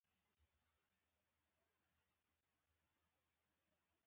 امریکا غیرمساوي ثلث کې ده.